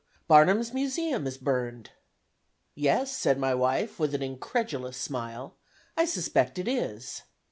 Barnum's Museum is burned." "Yes," said my wife, with an incredulous smile, "I suspect it is."